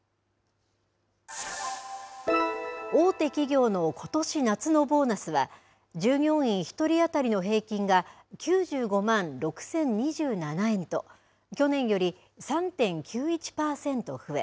大手企業のことし夏のボーナスは従業員１人当たりの平均が９５万６０２７円と去年より３．９１パーセント増え